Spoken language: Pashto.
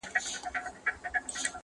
څونه ښکلی معلومېږي قاسم یاره زولنو کي,